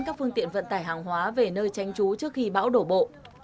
các phương tiện vận tải hàng hóa về nơi tranh trú trước khi bão đổ bộ